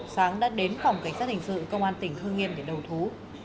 sáng đã đến phòng cảnh sát hình sự công an tỉnh hương yên để đầu thú